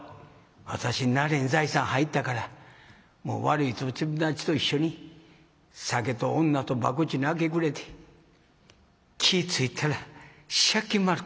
「私慣れん財産入ったからもう悪い友達と一緒に酒と女と博打に明け暮れて気ぃ付いたら借金まるけ。